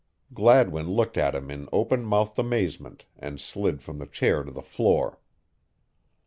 Gladwin looked at him in open mouthed amazement and slid from the chair to the floor.